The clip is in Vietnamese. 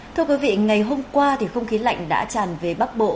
thưa quý vị ngày hôm qua thì không khí lạnh đã tràn về bắc bộ